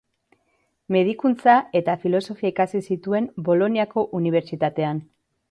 Medikuntza eta Filosofia ikasi zituen Boloniako Unibertsitatean.